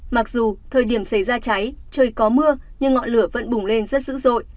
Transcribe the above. mặc dù thời điểm xảy ra cháy trời có mưa nhưng ngọn lửa vẫn bùng lên rất dữ dội